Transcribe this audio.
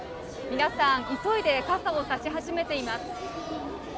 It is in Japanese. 皆さん急いで傘を差し始めています。